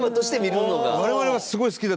伊達：我々は、すごい好きに。